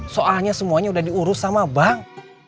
soalnya semuanya udah diurus sama bank